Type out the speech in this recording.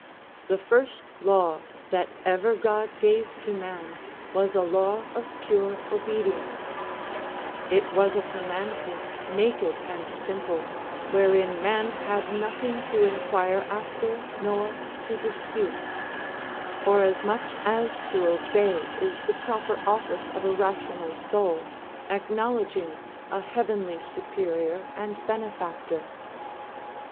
The first law that ever God gave to man was a law of pure obedience; it was a commandment naked and simple, wherein man had nothing to inquire after, nor to dispute; forasmuch as to obey is the proper office of a rational soul, acknowledging a heavenly superior and benefactor.